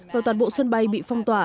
và toàn bộ sân bay bị phong tỏa